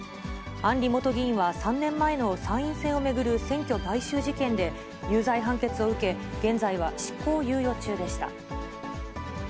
案里元議員は、３年前の参院選を巡る選挙買収事件で有罪判決を受け、現在は執行猶予中でした。